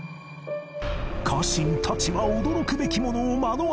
家臣たちは驚くべきものを目の当たりにしたという